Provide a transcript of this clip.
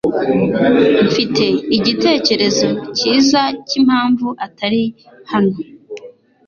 Mfite igitekerezo cyiza cyimpamvu atari hano.